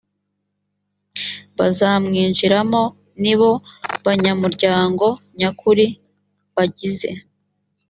bazawinjiramo nibo banyamuryango nyakuri bagize